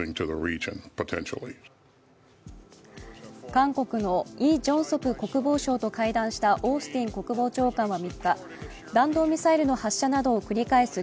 韓国のイ・ジョンソプ国防相と会談したオースティン国防長官は３日弾道ミサイルの発射を繰り返しす